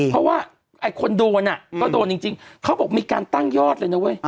เพราะว่าไอ้คนโดนอ่ะก็โดนจริงเขาบอกมีการตั้งยอดเลยนะเว้ย